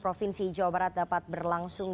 provinsi jawa barat dapat berlangsung